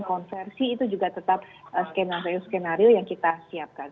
konversi itu juga tetap skenario skenario yang kita siapkan